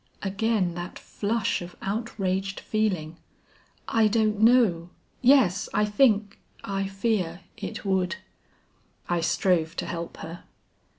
Again that flush of outraged feeling. "I don't know yes I think I fear it would." I strove to help her.